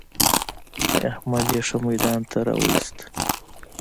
احمد يې ښه ميدان ته را ويوست.